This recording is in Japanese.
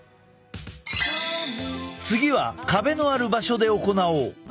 次は壁のある場所で行おう。